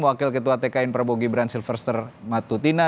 wakil ketua tkn prabowo gibran silverster matutina